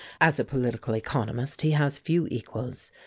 As a political economist he has few equals.